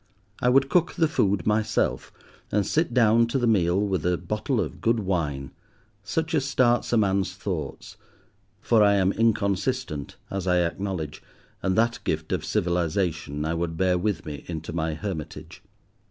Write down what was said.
I would cook the food myself, and sit down to the meal with a bottle of good wine, such as starts a man's thoughts (for I am inconsistent, as I acknowledge, and that gift of civilization I would bear with me into my hermitage).